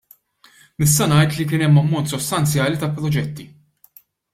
Nista' ngħid li kien hemm ammont sostanzjali ta' proġetti.